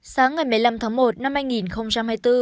sáng ngày một mươi năm tháng một năm hai nghìn hai mươi bốn